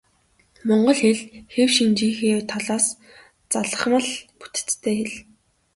Монгол хэл хэв шинжийнхээ талаас залгамал бүтэцтэй хэл.